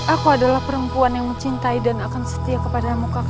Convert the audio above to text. aku adalah perempuan yang mencintai dan akan setia kepada kamu kakak